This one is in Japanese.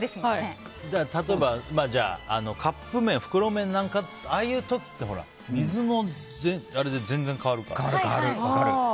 例えば、カップ麺袋麺なんかとかもああいうのって水で全然変わるから。